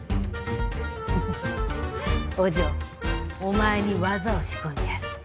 フフフお嬢お前に技を仕込んでやる。